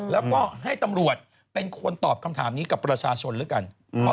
แล้วก็ให้ตำรวจเป็นคนตอบคำถามนี้กับประชาชนแล้วกัน